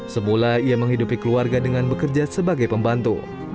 semula ia menghidupi keluarga dengan bekerja sebagai pembantu